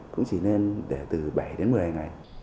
cũng chỉ nên để từ bảy đến một mươi ngày